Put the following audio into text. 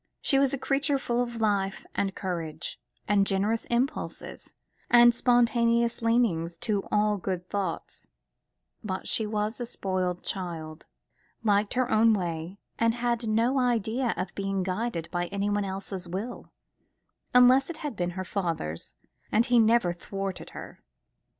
She was a creature full of life, and courage, and generous impulses, and spontaneous leanings to all good thoughts; but she was a spoiled child, liked her own way, and had no idea of being guided by anybody else's will unless it had been her father's, and he never thwarted her.